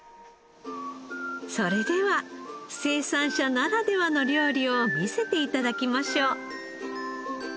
それでは生産者ならではの料理を見せて頂きましょう。